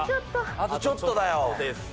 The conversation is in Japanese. あとちょっとだよ。